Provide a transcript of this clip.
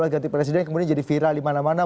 ganti presiden kemudian jadi viral di mana mana